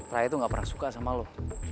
raya itu gak pernah suka sama lo